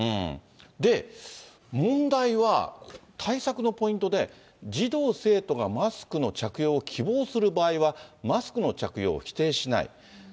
で、問題は対策のポイントで、児童・生徒がマスクの着用を希望する場合は、マスクの着用を否定しない。